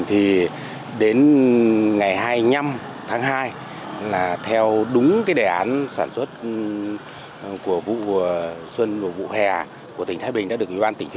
thì đến ngày hai mươi năm tháng hai là theo đúng cái đề án sản xuất